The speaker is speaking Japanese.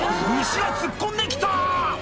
牛が突っ込んで来た！